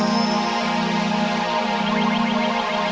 jangan lupa untuk beri dukungan di atas kursus ini